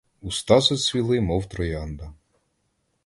Уста зацвіли, мов троянда.